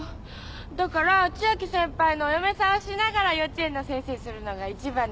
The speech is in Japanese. だから千秋先輩のお嫁さんをしながら幼稚園の先生するのがいちばんの夢です。